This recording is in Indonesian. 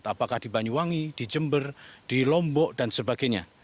apakah di banyuwangi di jember di lombok dan sebagainya